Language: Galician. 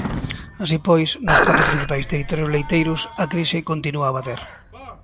Así pois, nos catro principais territorios leiteiros, a crise continúa a bater.